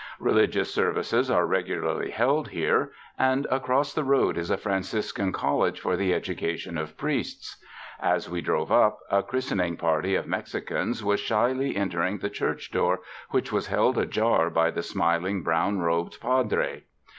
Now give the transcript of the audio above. Religious services are regularly held here, and across the road is a Franciscan college for the education of priests. As we drove up, a christening party of Mexicans was shyly entering the church door which was held ajar by the smiling, brown robed padre.